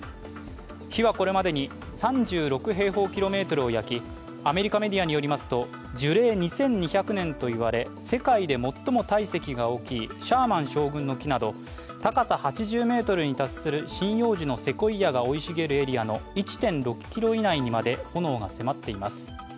火はこれまでに３６平方キロメートルを焼きアメリカメディアによりますと樹齢２２００年と言われ世界で最も体積が大きいシャーマン将軍の木など高さ８０ｍに達する針葉樹のセコイアが生い茂るエリアの１．６ｋｍ以内にまで炎が迫っています。